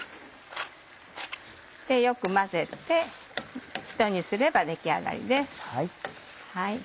よく混ぜてひと煮すれば出来上がりです。